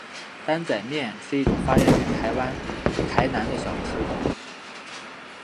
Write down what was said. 担仔面是一种发源于台湾台南的小吃。